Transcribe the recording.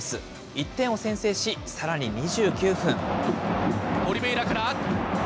１点を先制し、さらに２９分。